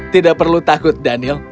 tidak perlu takut daniel